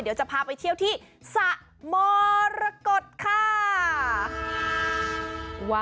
เดี๋ยวจะพาไปเที่ยวที่สะมรกฏค่ะ